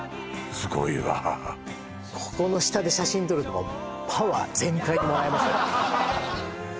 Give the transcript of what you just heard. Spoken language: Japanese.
すごいわここの下で写真撮るとパワー全開でもらえますよ